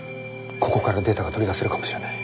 ここからデータが取り出せるかもしれない。